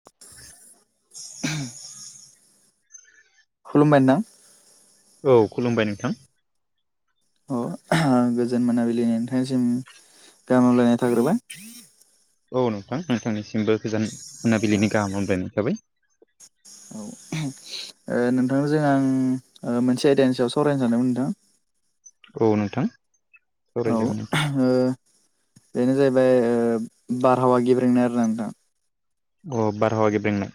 [inaudible] खुलुमबाय नोंथां औ खुलुमबाय नोंथां औ गोजोन मोनाबिलि नोंथांनिसिम गामलायनाय थाग्रोबाय औ नोंथां नोंथांनिसिमबो गोजोन औ मोनाबिलिनि गाहाम हामलायनाय थाबाय औ ओ नोंथांजों आं ओ मोनसे आयदानि सायाव सावरायनो सानदोंमोन नोंथां औ नोंथां सावराय औ जागोन नोंथां ओ बेनो जाहैबाय ओ बारहावा गेब्रेंनाय आरोना नोंथां अ बारहावा गेब्रेंनाय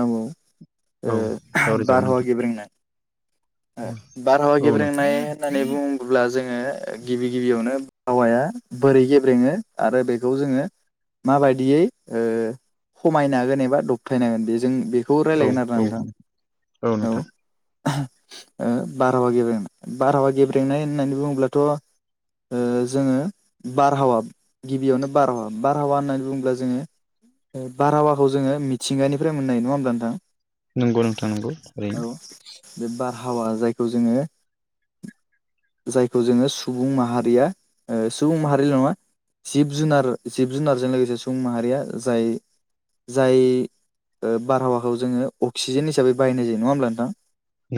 औ औ ओ औ सावरायजागोन बारहावा नोंथां गेब्रेंनाय ओ बारहावा औ नोंथां गेब्रेंनाय होननानै बुङोब्ला जोङो गिबि गिबियावनो बारहावाया बोरै गेब्रेङो आरो बेखौ जोङो माबायदियै ओ खमायनो हागोन एबा दबथायनो हागोन बेजों बे खौ औ रायजलायगोन आरोना औ औ नोंथां नोंथां औ ओ बारहावा गेब्रेंनाय बारहावा गेब्रेंनाय होननानै बुङोब्लाथ' ओ जोङो बारहावा गिबियावनो बारहावा बारहावा होननानै बुङोब्ला जोङो बारहावाखौ जोङो मिथिंगानिफ्राय मोननाय नङा ओमब्ला नोंथां नंगौ नोंथां नंगौ थारै औ बे बारहावा जायखौ जोङो जायखौ जोङो सुबुं माहारिया ओ सुबुं माहारिल' नङा जिब जुनार जिब जुनारजों लोगोसे सुबुं माहारिया जाय जाय ओ बारहावाखौ जोङो अक्सिजेन हिसाबै बायनाय जायो नङा होमब्ला नोंथां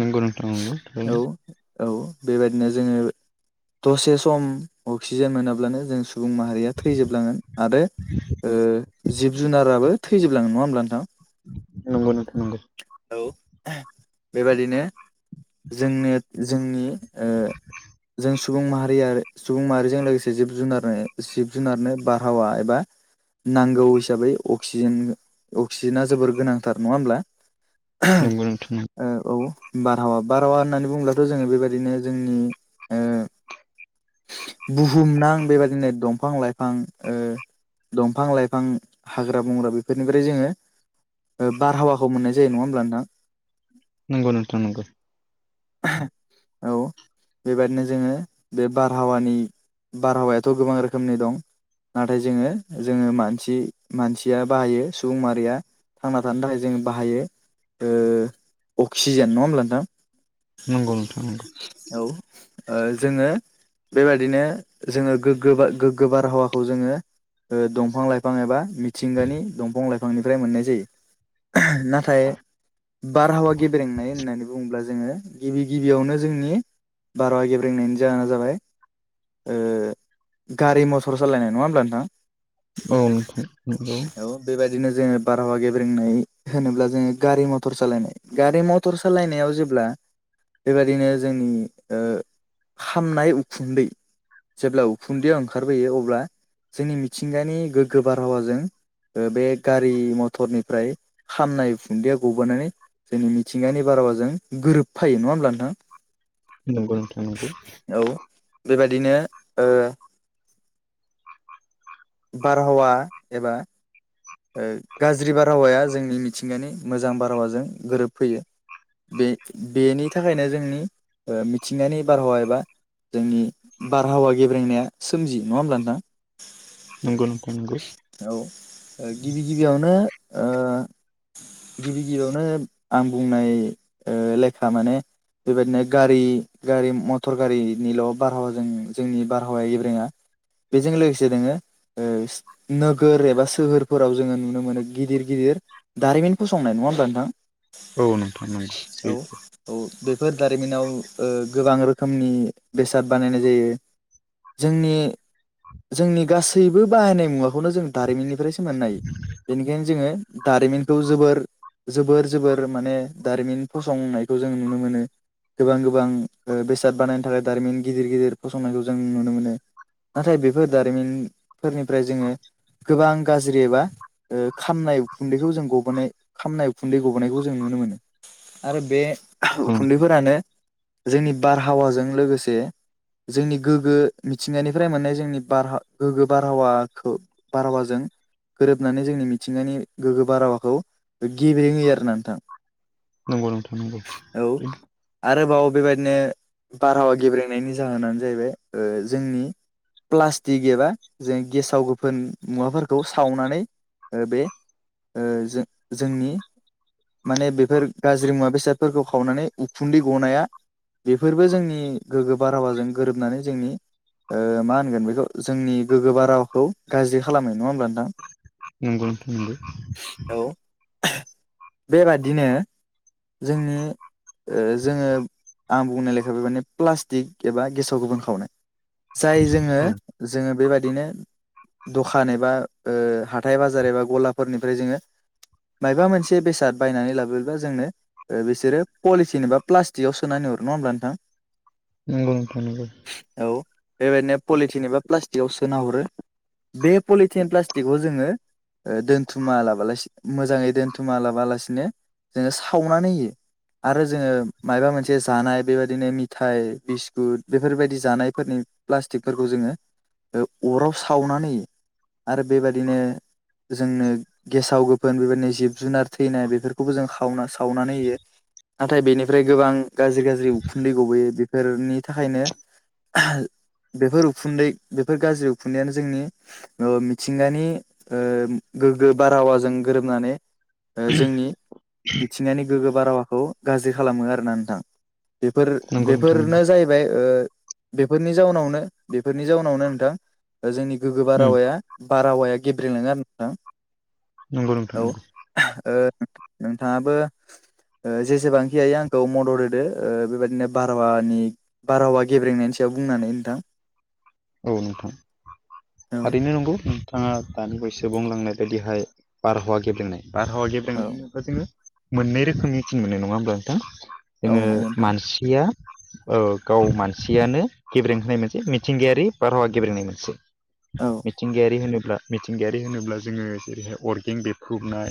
नोंगौ नोंथां नंगौ ओरैनो औ औ बेबायदिनो जोङो दसे सम अक्सिजेन मोनाब्लानो जों सुबुं माहारिया थैजोबलाङो आरो ओ जिब जुनाराबो थैजोब लाङो नङा होमब्ला नोंथां नंगौ नोंथां नंगौ औ बेबादिनो जोंनो जोंनि ओ जों सुबुं माहारि आरो सुबुं माहारिजों लोगोसे जिब जुनारनो जिब जुनारनो बारहावा एबा नांगौ हिसाबै अक्सिजेन अक्सिजेना जोबोर गोनांथार नङा ओमब्ला नंगौ नोंथां औ ओ औ बारहावा बारहावा होननानै बुङोब्लाथ' जोङो बेबायदिनो जोंनि ओ बुहुमनां बेबायदिनो दंफां-लाइफां ओ दंफां-लाइफां, हाग्रा-बंग्रा बेफोरनिफ्राय जोङो ओ बारहावाखौ मोननाय जायो नङा होमब्ला नोंथां? नोंगौ नोंथां नोंगौ औ बेबायदिनो जोङो बे बारहावानि बारहावायाथ' गोबां रोखोमनि दं नाथाय जोङो जोङो मानसि मानसिया बाहायो सुबुं माहारिया थांना थानो थाखाय जों बाहायो ओ सिजोन नङा होमब्ला नोंथां नंगौ नोंथां नंगौ औ ओ जोङो बेबायदिनो जोङो गोग्गो गोग्गो बारहावाखौ जोङो ओ दंफां-लाइफां एबा मिथिंगानि दंफां-लाइफांनिफ्राय मोननाय जायो नाथाय बारहावा गेब्रेंनाय होननानै बुङोब्ला जोङो गिबि गिबियावनो जोंनि बारहावा गेब्रेंनायनि जाहोना जाबाय ओ गारि-मथर सालायनाय नङा होमब्ला नोंथां? औ नोथां नंगौ औ बेबायदिनो जोङो बारहावा गेब्रेंनाय होनोब्ला जोङो गारि मथर सालायनाय गारि-मथर सालायनायाव जेब्ला बेबायदिनो जों ओ खामनाय उखुन्दै जेब्ला उखुन्दैया ओंखारबोयो अब्ला जोंनि मिथिंगानि गोग्गो बारहावाजों ओ बे गारि-मथरनिफ्राय खामनाय उखुन्दैया ग'बोनानै जोंनि मिथिंगानि बारहावाजों गोरोबफायो नङा होमब्ला नोंथां? नंगौ नोंथां नंगौ औ बेबायदिनो ओ बारहावा एबा ओ गाज्रि बारहावाया जोंनि मिथिंगानि मोजां बारहावाजों गोरोबफैयो बे बेनि थाखायनो जोङो ओ मिथिंगानि बारहावा एबा जोंनि बारहावा गेब्रेंनाया सोमजि नङा होमब्ला नोंथां? नंगौ नोंथां नंगौ औ ओ गिबि गिबियावनो ओ गिबि गिबियावनो आं बुंनाय ओ लेखा माने बेबायदिनो गारि गारि मथर गारिनिल' बारहावाजों जोंनि बारहावाया गेब्रेङा बेजों लोगोसे जोङो ओ नोगोर एबा सोहोर फोराव जोङो नुनो मोनो गिदिर गिदिर दारिमिन फसंनाय नङा होमब्ला नोंथां? औ नोंथां नोंगौ औ सैथो औ बेफोर दारिमिनाव ओ गोबां रोखोमनि बेसाद बानायनाय जायो जोंनि जोंनि गासैबो बाहायनाय मुवाखौनो जों दारिमिननिफ्राय मोननाय बेनिखायनो जोङो दारिमिनखौ जोबोर जोबोर जोबोर माने दारिमिन फसंनायखौ जों नुनो मोनो गोबां गोबां ओ बेसाद बानायनो थाखाय दारिमिन गिदिर गिदिर फसंनायखौ जों नुनो मोनो नाथाय बेफोर दारिमिनफोरनिफ्राय जोङो गोबां गाज्रि एबा ओ खामनाय उखुन्दैखौ जों गबोनाय खामनाय उखुन्दै गबोनायखौ जों नुनो मोनो आरो बे औ उखुन्दैफोरानो जोंनि बारहावाजों लोगोसे जोंनि गोगो मिथिंगानिफ्राय मोननाय जोंनि बारहा गोगो बारहावाखो बारहावाजों गोरोबनानै जोंनि मिथिंगानि गोगो बारहावाखौ गेबरें होयो आरोना नोंथां। नंगौ नोंथां नंगौ। औ आरोबाव बेबायदिनो बारहावा गेब्रेंनायनि जाहोनानो जाहैबाय ओ जोंनि प्लास्टिक एबा जों गेसाव-गोफोन मुवाफोर खौ सावनानै बे ज जोंनि माने बेफोर गाज्रि मुवा बेसादफोरखौ खावनानै उखुन्दै गनाया बेफोरबो जोंनि गोग्गो बारहावाजों गोरोबनानै जोंनि ओ मा होनगोन बेखौ जोंनि गोग्गोबा रावखौ गाज्रि खालामनाय नङा होमब्ला नोंथां नंगौ नोंथां नंगौ औ बेबादिनो जोंनि ओ जोङो आं बुंनाय लेखा बे माने प्लास्टिक एबा गेसाव गोबां खावनाय जाय जोङो औ जोङो बेबायदिनो दखान फान एबा ओ हाथाय बाजार एबा गलाफोरनिफ्राय जोङो मायबा मोनसे बेसाद बायनानै लाबोब्ला जोंनो ओ बिसोरो पलिसिन एबा प्लास्टिकआव सोनानै हरो नङा होमब्ला नोंथां? नंगौ नोंथां नंगौ। औ बेबायदिनो पलिटिन एबा प्लास्टिकआव सोना हरो बे पलिटिन प्लास्टिकखौ जोङो ओ दोनथुमा लाबालासिनो मोजाङै दोनथुमा लाबालासिनो जोङो सावनानै आरो जोङो मायबा मोनसे जानाय बेबायदिनो मिथाइ, बिस्कुट बेफोरबायदि जानायफोरनि प्लास्टिकफोरखौ जोङो अराव सावनानै आरो बेबादिनो जोंनो गेसाव गोफोन बेबायदिनो जिब जुनार थैनाय बेफोरखौबो जों खावना सावनानै होयो। नाथाय बेनिफ्राय गोबां गाज्रि गाज्रि उखुन्दै गबोयो बेफोरनि थाखायनो बेफोर उखुन्दै बेफोर गाज्रि उखुन्दैयानो जोंनि ओ मिथिंगानि ओ गोग्गो बारहावाजों गोरोबनानै ओ जोंनि मिथिंगानि गोग्गो बारावाखौ गाज्रि खालामो आरोना नोंथां बेफोर नंगौ नोंथां नंगौ बेफोरनो जाहैबाय ओ बेफोरनि जानावनो बेफोरनि जाउनावनो नोंथां जोंनि गोगोबा उम रावाया बार रावाया गेबेलाङो आरो नोंथां नंगौ नोंथौ औ नंगौ ओ नोंथाङाबो जेसेबांखि हायो आंखौ मदद होदो बेबदिनो बारहावानि बारहावा गेब्रेंनायनि सायाव बुंनानै नोंथां औ नोंथां औ थारैनो नंगौ बिथाङा दानि बयसो बुंलांनाय बायदिहाय बारहावा गेबेनाय बारहावा औ गेब्लेनायनि उनाव जोङो मोननै रोखोमनि थिन मोननाय नङा होमब्ला नोंथां औ जोङो नंगौ नोंथां मानसिया औ गाव मानसियानो गेब्रें होनाय मोनसे मिथिंगायारि बारहावा गेब्रेंनाय मोनसे औ मिथिंगायारि होनोब्ला मिथिंगायारि होनोब्ला जोङो जेरैहाय अरगें बेफुबनाय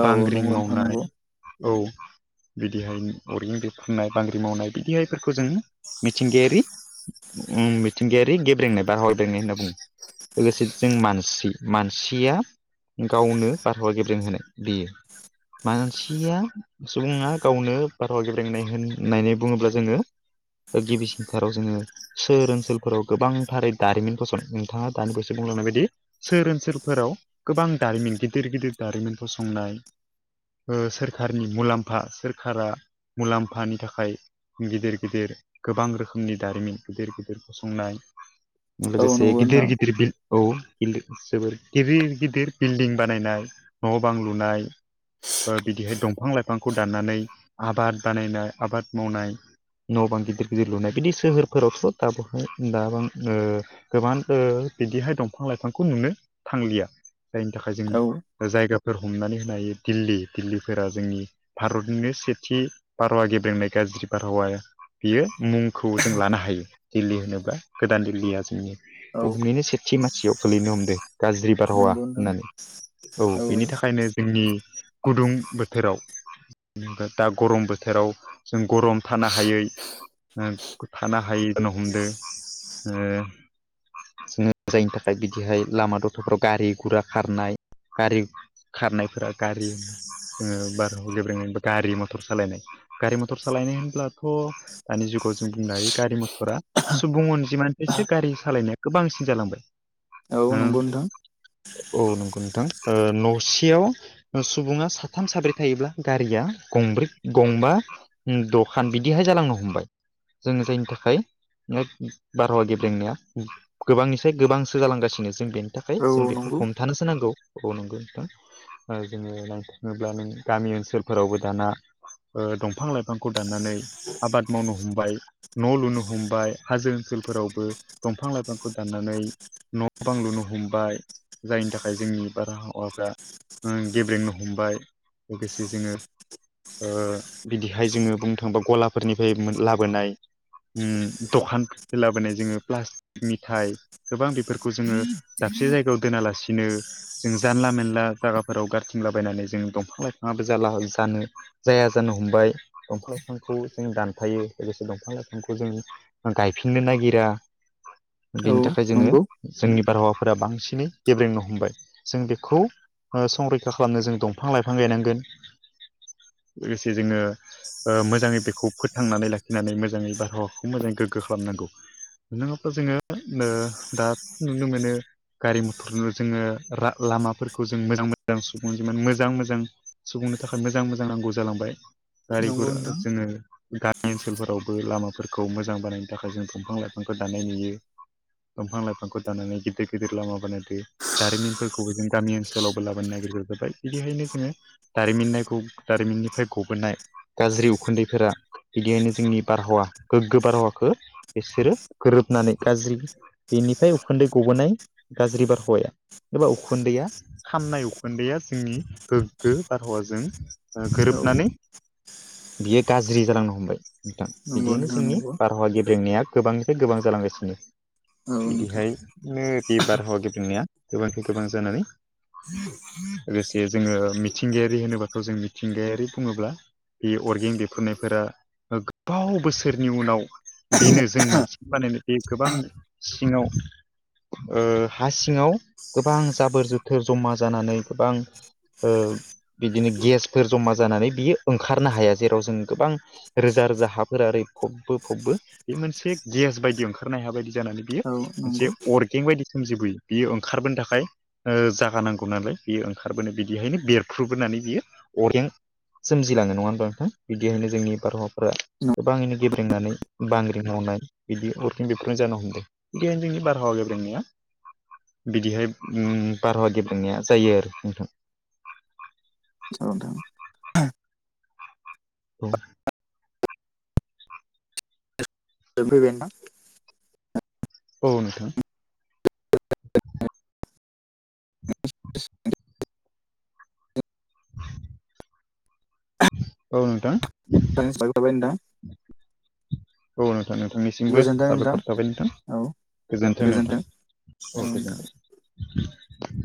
औ बांग्रिं नंगौ नोंथां मावनानै नंगौ औ बिदिहाय अरगं दै फाननाय बांग्रि मावनाय बिदिहायफोरखौ जों मिथिंगायारि मिथिंगायारि गेब्रेंनाय बार ह ब्रेंनाय होनना बुङो लोगोसे जों मानसि मानसिया गावनो बारहावा गेब्रें होनाय बियो मानसिया सुबुङा गावनो बारहावा गेबलेनाय होननानै बुङोब्ला जोङो गिबिसिनथाराव जोङो ओनसोलाव फोराव गोबांथारै दारिमिन फसन नोंथाङा दानिबोसो बुंलांनाय बायदि सोर ओनसोलफोराव गोबां दारिमिन गिदिर गिदिर दारिमिन फसंनाय सोरखारनि मुलाम्फा सोरखारा मुलाम्फानि थाखाय गिदिर गिदिर गोबां रोखोमनि दारिमिन गिदिर गिदिर फसंनाय औ लोगोसे नंगौ गिदिर नोंथां गिदिर बिल औ जोबोर गिदिर गिदिर बिल्डिं बानायनाय न' बां लुनाय बिदिहाय दंफां लाइफांखौ दाननानै आबाद बानायनाय आबाद मावनाय न' बां गिदिर गिदिर लुनाय बिदि सोहोरफोरावथ' दाबो म ओ गोबां बिदिहाय दंफां लाइफांखौ नुनो थांलिया जायनि थाखाय जों औ ओ जायगाफोर हमनानै होनो हायो दिल्ली दिल्लीफोरा जोंनि भारतनिनो सेथि बारहावा गेब्रेंनाय गाज्रि बारहावाया बियो मुंखौ जों लानो हायो दिल्ली होनोब्ला गोदान दिल्लीया जोंनि औ बुहुमनिनो सेथि मासियाव गोलैनो हमदो गाज्रि बारहावा नंगौ नोंथां होननानै औ बेनि थाखायनो जोंनि गुदुं बोथोराव दा गरम बोथोराव जों गरम थानो हायै ओ थानो हायि जानो हमदो ओ जोङो जायनि थाखाय बिदिहाय लामा दथ'फ्राव गारि गुरा खारनाय गारि खारनायफोरा गारि जोङो बारहाव गेब्रेंनाय होनोब्ला गारि मटर सालायनाय गारि मथर सालायनाय होनब्लाथ' दानि जुगाव जों बुंनो हायो गारि म रा सुबुं अनजिमानिसो गारि सालायनाया गोबांसिन जालांबाय औ ओ नंगौ नोंथां औ नंगौ नोंथां ओ न'सेयाव सुबुङा साथाम साब्रै थायोब्ला गारिया गंब्रै गंबा उम दखान बिदिहाय जालांनो हमबाय जोङो जायनि थाखाय बारहावा गेब्रेंनाया गोबांनिसाय गोबांसो जालांगासिनो जों बे नि थाखाय औ जों औ बेखौ नंगौ हमथानोसो नांगौ अ नंगौ नोंथां ओ जोङो नायनो थाङोब्ला नों गामि ओनसोलफोरावबो दाना ओ दंफां लाइफांखौ दाननानै आबाद मावनो हमबाय न' लुनो हम हमबाय हाजो ओनसोलफोरावबो दंफां लाइफांखौ दाननानै न' बां लुनो हमबाय जायनि थाखाय जोंनि बारहावाफ्रा ओ गेब्रेंनो हमबाय लोगोसे जोङो ओ बिदिहाय जोङो बुंनो थाङोबा गलाफोरनिफाय मोन लाबोनाय उम दखान लाबोनाय जोङो प्लास मिथाइ गोबां बेफोरखौ जोङो दाबसे जायगायाव दोनालासिनो जों जानला मेनला जागाफोराव गारथिंलाबायनानै जों दंफां लाइफाङाबो जाला हो जानो जाया जानो हमबाय दंफां लाइफांखौ जों दानफायो लोगोसे दंफां लाइ फांखौ जों ओ गायफिननो नागिरा औ बिनि थाखाय जोङो नंगौ जोंनि बारहावाफोरा बांसिनै गेब्रेंनो हमबाय। जों बेखौ ओ संरैखा खालामनो जों दंफां लाइफां गायनांगोन लोगोसे जोङो ओ मोजाङै बेखौ फोथांनानै लाखिनानै मोजाङै बारहावाखौ मोजाङै गोग्गो खालामनांगौ नङाब्ला जोङो ओ दाथ' नुनो मोनो गारि मथर जोङो रा लामाफोरखौ जों मोजां मोजां सुबुं अनजिमानि मोजां मोजां सुबुंनो थाखाय मोजां मोजां नांगौ जालांबाय गारि नंगौ गुरा नोंथां जोङो गामि ओनसोलफोरावबो लामा फोरखौ मोजां बानायनो थाखाय जों दंफां लाइफांखो दानाय नुयो दंफां लाइफांखौ दानानै गिदिर गिदिर लामा बानायदो दारिमिनफोरखौबो जों गामि ओनसोलावबो लाबोनो नागिरग्रा जाबाय बिदिहायनो जोङो दारिमिननायखौ दारिमिननिफ्राय गबोनाय गाज्रि उखुन्दैफोरा बिदिहायनो जोंनि बारहावा गोग्गो बारहावखो बिसोरो गोरोबनानै गाज्रि बेनिफाय उखुन्दै गबोनाय गाज्रि बारहावाया एबा उखुन्दैआ खामनाय उखुन्दैआ जोंनि गोग्गो बारहावाजों ओ औ गोरोबनानै बियो गाज्रि जालांनो हमबाय नोंथां नंगौ बिदियैनो नोंथां जोंनि नंगौ बारहावा गेब्रेंनाया गोबांनिफ्राय गोबां जालांगासिनो औ नोंथां बिदिहायनो बे बारहावा गेब्रेंनाया गोबांखे गोबां जानानै लोगोसे जोङो मिथिंगायारि होनोबाथ' जों मिथिंगायारि बुङोब्ला बे अरगें बेफ्रुनायफोरा ओ गोबाव बोसो रनि उनाव बेनो जों मानसि बानायनो बे गोबां सिङाव ओ हा सिङाव गोबां जाबोर जोथोर जमा जानानै गोबां ओ बिदिनो गेसफोर जमा जानानै बियो ओंखारनो हाया जेराव जों गोबां रोजा रोजा हाफोरा ओरै फबबो फबबो बे मोनसे गेस बायदि ओंखारनो हाया बायदि जानानै बियो औ मोनसे नंगौ अरगे बायदि सोमजिबोयो बियो ओंखारबोनो थाखाय ओ जागा नांगौ नालाय बेयो ओंखारबोनो बिदिहायनो बेरफ्रुबोनानै बियो अरगें सोमजिलाङो नङा ओमबा नोंथां बिदिहायनो जोंनि बारहावाफ्रा गोबाङैनो गेब्रेंनानै बांग्रि मावनाय बिदि अरगें बेरफ्रुनाय जानो हमदों केनदिं बारहावा गेब्रेंनाया बिदिहाय उम बारहावा गेब्रेंनाया जायो आरो नोंथां औ नोंथां औ ओ फैबाय नोंथां औ नोंथां [unintelligible] औ नोंथां [unintelligible] नोंथां औ नोंथां नोंथांनिसिमबो गोजोनथों नोंथां साबायखर थाबाय नोंथां औ गोजोन्थों नोंथां गोजोनथों औ गोजोनथों